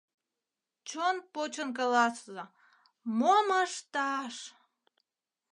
Чон почын каласыза: мом ыш-таш?!